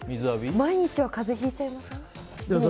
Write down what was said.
毎日は風邪ひいちゃいません？